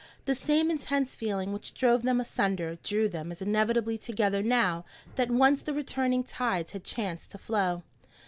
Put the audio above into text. The same intense feeling which drove them asunder drew them as inevitably together now that once the returning tides had chance to flow.